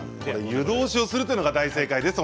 湯通しするというのが大正解です。